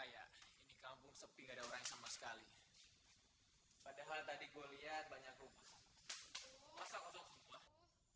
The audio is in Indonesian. hai kalian tidak bisa ke sana dan takkan mungkin bisa bertemu dengan mereka lagi